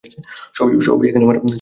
সবই আমার কানে এসেছে।